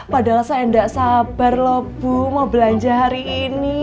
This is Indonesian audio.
padahal saya nggak sabar loh bu mau belanja hari ini